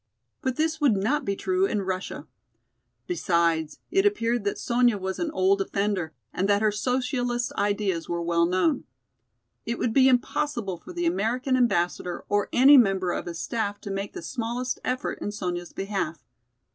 But this would not be true in Russia. Besides, it appeared that Sonya was an old offender and that her socialist ideas were well known. It would be impossible for the American Ambassador or any member of his staff to make the smallest effort in Sonya's behalf.